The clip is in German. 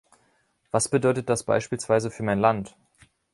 Was bedeutet das beispielsweise für mein Land?